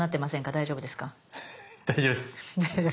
大丈夫です。